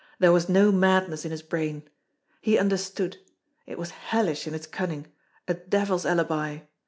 There was no madness in his brain. He understood! It was hellish in its cunning a devil's alibi.